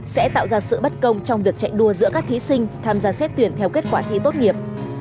sẽ tạo ra sự bất công trong việc chạy đua giữa các thí sinh tham gia xét tuyển theo kết quả thi tốt nghiệp